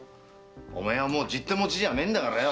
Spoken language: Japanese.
お前はもう十手持ちじゃねえんだからよ。